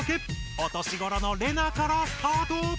お年ごろのレナからスタート！